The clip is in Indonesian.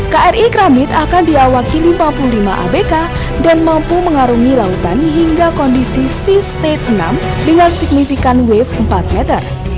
kri keramid akan diawaki lima puluh lima abk dan mampu mengarungi lautan hingga kondisi sea state enam dengan signifikan wave empat meter